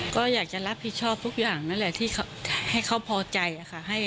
ก็อยากจะรับผิดชอบทุกอย่างนั่นแหละที่ให้เขาพอใจค่ะ